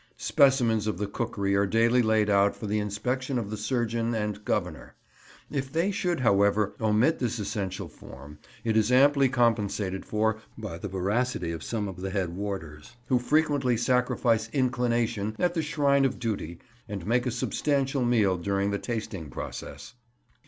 Specimens of the cookery are daily laid out for the inspection of the surgeon and Governor. If they should, however, omit this essential form, it is amply compensated for by the voracity of some of the head warders, who frequently sacrifice inclination at the shrine of duty and make a substantial meal during the tasting process.